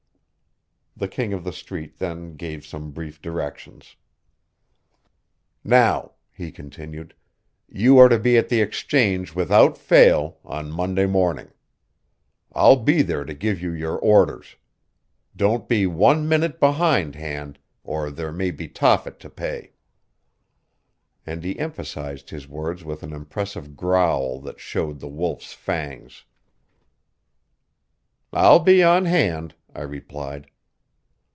The King of the Street then gave some brief directions. "Now," he continued, "you are to be at the Exchange without fail, on Monday morning. I'll be there to give you your orders. Don't be one minute behind hand, or there may be Tophet to pay." And he emphasized his words with an impressive growl that showed the Wolf's fangs. "I'll be on hand," I replied.